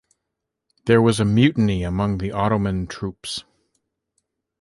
There was a mutiny among the Ottoman troops.